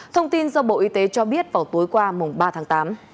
thông tin do bộ y tế cho biết vào tối qua mùng ba tháng tám